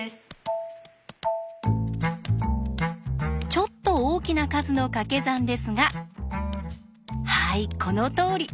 ちょっと大きな数のかけ算ですがはいこのとおり！